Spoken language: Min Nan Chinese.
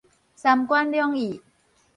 三關兩意